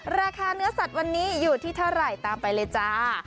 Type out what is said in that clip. ราคาเนื้อสัตว์วันนี้อยู่ที่เท่าไหร่ตามไปเลยจ้า